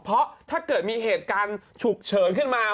เพราะถ้าเกิดมีเหตุการณ์ฉุกเฉินขึ้นมา